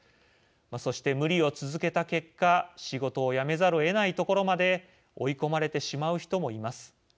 そして、無理を続けた結果仕事を辞めざるをえないところまで追い込まれてしまう人もいます。